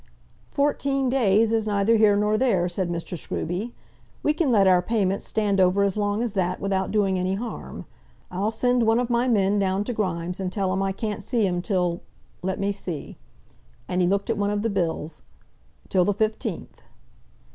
"Fourteen days is neither here nor there," said Mr. Scruby. "We can let our payments stand over as long as that, without doing any harm. I'll send one of my men down to Grimes, and tell him I can't see him, till, let me see," and he looked at one of the bills, "till the 15th."